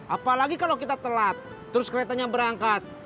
apalagi kalau kita telat terus keretanya berangkat